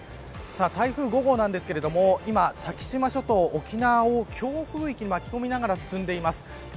台風５号なんですが今、先島諸島、沖縄を強風域に巻き込みながら進んでいます。